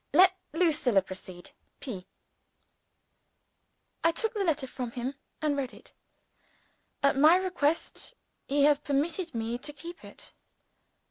Let Lucilla proceed. P.] I took the letter from him and read it. At my request, he has permitted me to keep it.